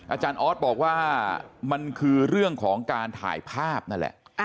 อาจารย์ออสบอกว่ามันคือเรื่องของการถ่ายภาพนั่นแหละ